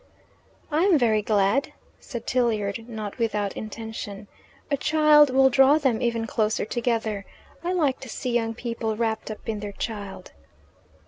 "I am very glad," said Tilliard, not without intention. "A child will draw them even closer together. I like to see young people wrapped up in their child."